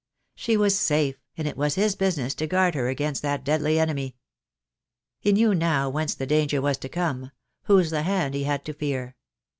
She was safe, and it was his business to guard her against that deadly enemy. He knew now whence the danger was to come — whose the hand he had to fear.